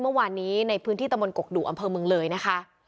เมื่อวานนี้ในพื้นที่ตะมนตกดุอำเภอเมืองเลยนะคะ